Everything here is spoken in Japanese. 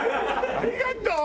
ありがとう！